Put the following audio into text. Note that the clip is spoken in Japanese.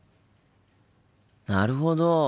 なるほど。